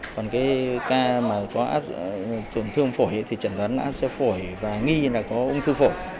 còn cái ca mà có áp trùng thương phổi thì chẩn đoán là áp xe phổi và nghi là có ung thư phổi